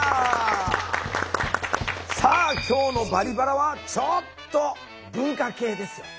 さあ今日の「バリバラ」はちょっと文化系ですよ。